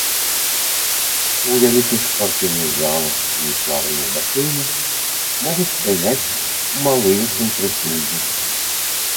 У вялікіх спартыўных залах і плавальных басейнах могуць стаяць малыя цэнтрыфугі.